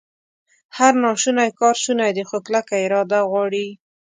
هر ناشونی کار شونی دی، خو کلکه اراده غواړي